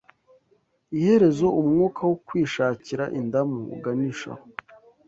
iherezo umwuka wo kwishakira indamu uganishaho.